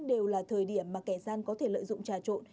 đều là thời điểm mà kẻ gian có thể lợi dụng trà trộn